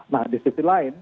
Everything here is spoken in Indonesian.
nah di sisi lain